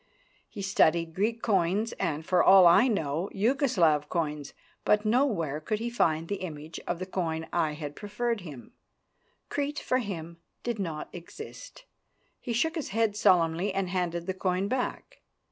He studied Greek coins and, for all I know, Jugo Slav coins, but nowhere could he find the image of the coin I had proffered him. Crete for him did not exist. He shook his head solemnly and handed the coin back.